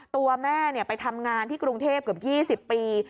ตัวแม่ไปทำงานที่กรุงเทพเกือบ๒๐ปี